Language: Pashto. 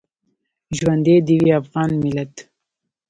ژوندی دې وي افغان ملت